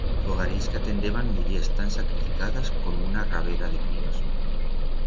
Fogarils que atendeban mullers tan sacrificadas, con una rabera de críos.